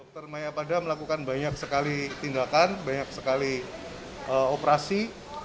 dr mayapada melakukan banyak sekali tindakan banyak sekali operasi